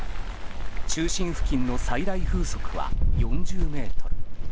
中心付近の最大風速は４０メートル。